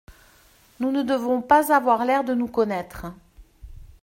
Nous ne devons pas avoir l’air de nous connaître.